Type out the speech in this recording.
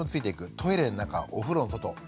トイレの中お風呂の外。